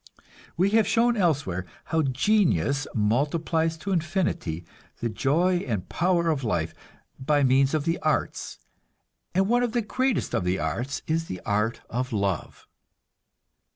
We have shown elsewhere how genius multiplies to infinity the joy and power of life by means of the arts; and one of the greatest of the arts is the art of love.